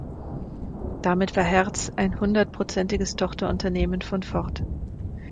Damit war Hertz ein hundertprozentiges Tochterunternehmen von Ford.